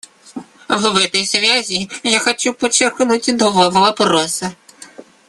В этой связи я хочу подчеркнуть два вопроса.